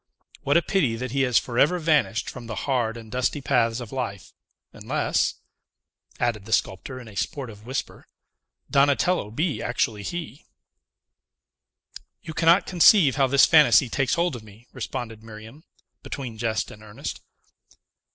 What a pity that he has forever vanished from the hard and dusty paths of life, unless," added the sculptor, in a sportive whisper, "Donatello be actually he!" "You cannot conceive how this fantasy takes hold of me," responded Miriam, between jest and earnest.